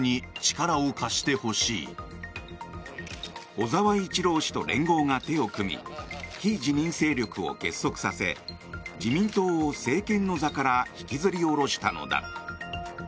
小沢一郎氏と連合が手を組み非自民勢力を結束させ自民党を、政権の座から引きずり下ろしたのだ。